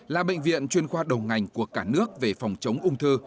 là bệnh viện chuyên khoa đầu ngành của cả nước về phòng chống ung thư